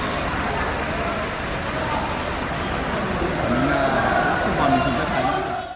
สำหรับทุกคนที่กินเท่าไหร่